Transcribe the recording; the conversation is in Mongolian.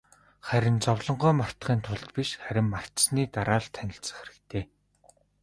Харин зовлонгоо мартахын тулд биш, харин мартсаны дараа л танилцах хэрэгтэй.